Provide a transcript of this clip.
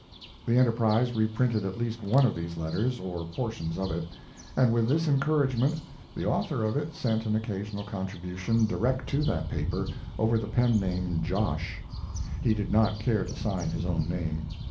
The Enterprise reprinted at least one of these letters, or portions of it, and with this encouragement the author of it sent an occasional contribution direct to that paper over the pen name "Josh." He did not care to sign his own name.